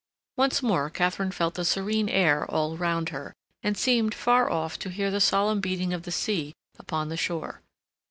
Once more Katharine felt the serene air all round her, and seemed far off to hear the solemn beating of the sea upon the shore.